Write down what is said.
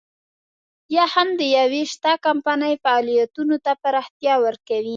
یا هم د يوې شته کمپنۍ فعالیتونو ته پراختیا ورکوي.